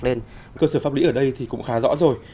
nên cơ sở pháp lý ở đây thì cũng khá rõ rồi